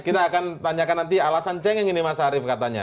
kita akan tanyakan nanti alasan cengeng ini mas arief katanya